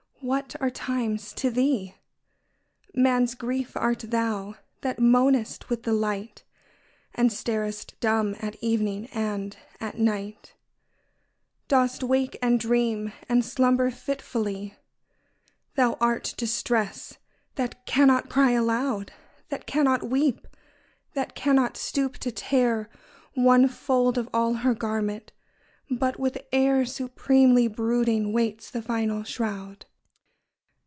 What are times to thee? Man's Grief art thou, that moanest with the light, And starest dumb at evening — and at night Dost wake and dream and slumber fitfully ! Thou art Distress — ^that cannot cry alou<^ That cannot weep, that cannot stoop to tear One fold of all her garment, but with air Supremely brooding waits the final shroud